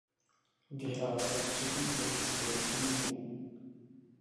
Vyhrála tak třetí ze šesti ročníků.